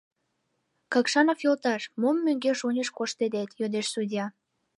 — Какшанов йолташ, мом мӧҥгеш-оньыш коштедет? — йодеш судья.